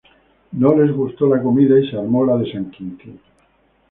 No les gustó la comida y se armó la de San Quintín